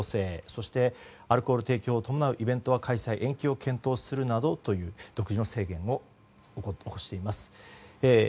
そしてアルコール提供を伴うイベントは開催延期を検討するなどという独自の制限を行っています。